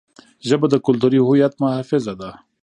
ژبه د کلتوري هویت محافظه ده.